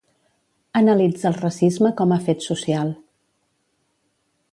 Analitza el racisme com a fet social.